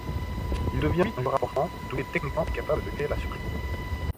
Il devient vite un joueur important, doué techniquement et capable de créer la surprise.